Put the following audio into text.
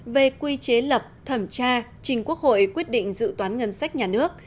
về quy chế lập thẩm tra trình quốc hội quyết định dự toán ngân sách nhà nước